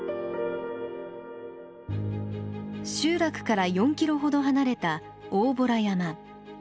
集落から４ｋｍほど離れた大洞山。